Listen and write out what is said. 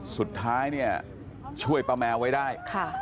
สุดท้ายเนี่ยช่วยป้าแมวไว้ได้